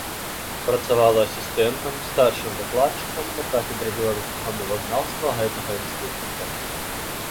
Працавала асістэнтам, старшым выкладчыкам на кафедры беларускага мовазнаўства гэтага інстытута.